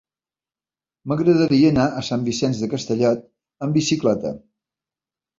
M'agradaria anar a Sant Vicenç de Castellet amb bicicleta.